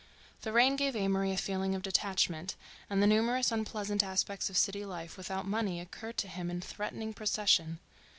The rain gave Amory a feeling of detachment, and the numerous unpleasant aspects of city life without money occurred to him in threatening procession.